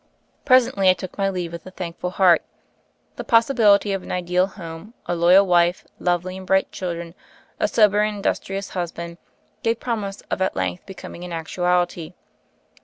Presently I took my leave, with a thankful heart. The possibility of an ideal home — a loyal wife, lovely and bright children, a sober and industrious husband — gave promise of at length becoming an actuality.